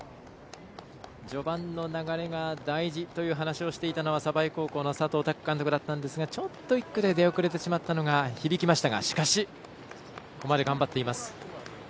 序盤の流れが大事という話をしていたのは鯖江高校の佐藤拓監督だったんですがちょっと１区の出遅れが響いてしまいましたがしかし、ここまで頑張っています。